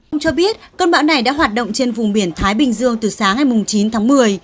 ông cho biết cơn bão này đã hoạt động trên vùng biển thái bình dương từ sáng ngày chín tháng một mươi